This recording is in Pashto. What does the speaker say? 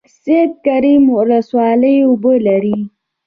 سید کرم ولسوالۍ اوبه لري؟